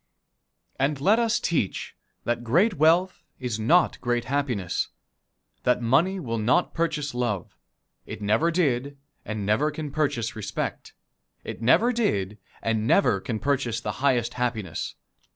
And let us teach that great wealth is not great happiness; that money will not purchase love; it never did and never can purchase respect; it never did and never can purchase the highest happiness.